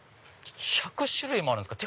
１００種類もあるんですか？